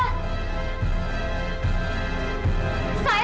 percuma saya tidak akan merubah pendidikan saya